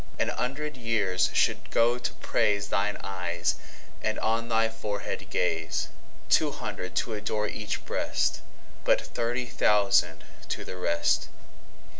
An hundred years should go to praiseThine Eyes, and on thy Forehead Gaze.Two hundred to adore each Breast:But thirty thousand to the rest.